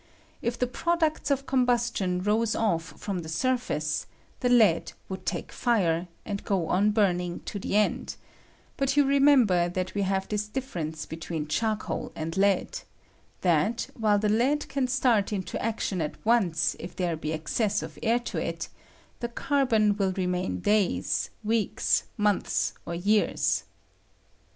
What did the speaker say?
If the products of combustion rose off from the sur face, the lead would take fire, and go on burn ing to the end ; but you remember that we have this difference between charcoal and lead — that, while the lead can start into action at once if there be access of air to it, the carbon will re main days, weeks, mouths, or years.